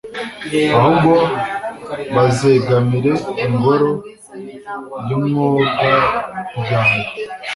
Ahubwo bazegamireIngoro y' Umwogabyano